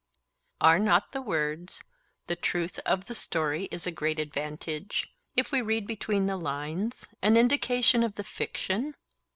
Are not the words, 'The truth of the story is a great advantage,' if we read between the lines, an indication of the fiction?